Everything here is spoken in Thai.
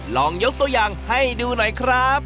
ลองยกตัวอย่างให้ดูหน่อยครับ